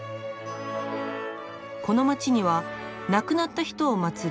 この街には亡くなった人をまつる